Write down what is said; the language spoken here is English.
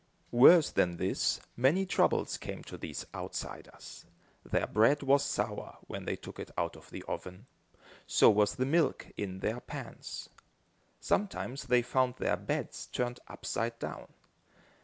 Worse than this, many troubles came to these outsiders. Their bread was sour, when they took it out of the oven. So was the milk, in their pans. Sometimes they found their beds turned upside down.